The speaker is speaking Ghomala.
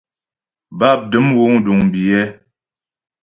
Bápdəm wúŋ duŋ biyɛ́.